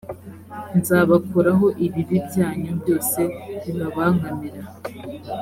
nzabakuraho ibibi byanyu byose bibabangamira